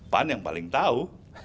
pan yang paling tahu